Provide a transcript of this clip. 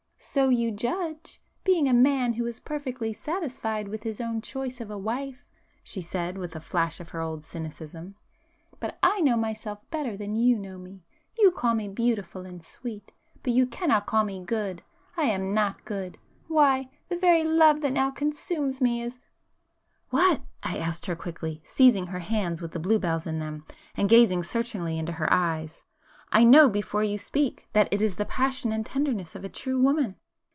"So you judge,—being a man who is perfectly satisfied with his own choice of a wife!" she said with a flash of her old cynicism—"But I know myself better than you know me. You call me beautiful and sweet,—but you cannot call me good! I am not good. Why, the very love that now consumes me is——" "What?" I asked her quickly, seizing her hands with the blue bells in them, and gazing searchingly into her eyes—"I know before you speak, that it is the passion and tenderness of a true woman!"